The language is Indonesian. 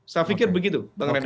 saya pikir begitu bang refli